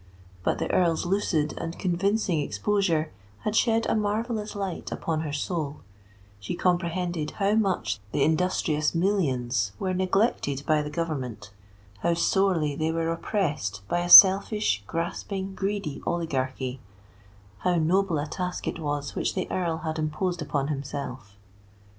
But the Earl's lucid and convincing exposure had shed a marvellous light upon her soul: she comprehended how much the industrious millions were neglected by the Government—how sorely they were oppressed by a selfish, grasping, greedy oligarchy—how noble a task it was which the Earl had imposed upon himself.